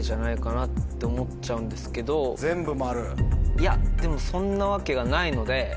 いやでもそんなわけがないので。